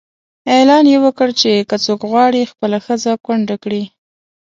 اعلان یې وکړ چې که څوک غواړي خپله ښځه کونډه کړي.